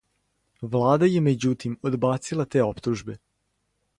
Влада је међутим одбацила те оптужбе.